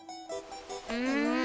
うん。